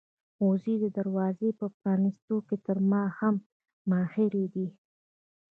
وزې د دروازې په پرانيستلو کې تر ما هم ماهرې دي.